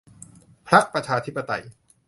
พรรคประชาธิปไตย